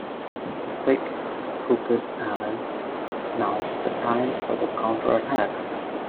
"Quick," croaked Alan, "now's the time for the counter-attack."